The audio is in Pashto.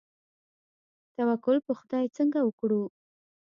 توکل په خدای څنګه وکړو؟